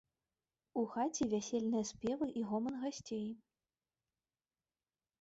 У хаце вясельныя спевы і гоман гасцей.